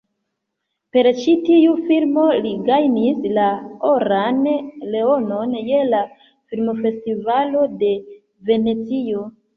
Per ĉi tiu filmo li gajnis la oran leonon je la Filmfestivalo de Venecio.